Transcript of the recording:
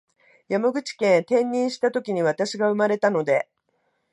山口県へ転任したときに私が生まれたので